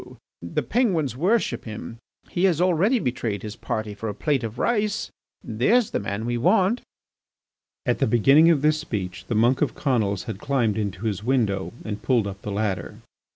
The Penguins worship him, He has already betrayed his party for a plate of rice. There's the man we want!" At the beginning of this speech the monk of Conils had climbed into his window and pulled up the ladder.